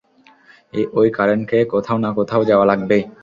ঐ কারেন্টকে কোথাও না কোথাও যাওয়া লাগবেই।